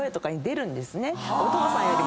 お父さんよりも。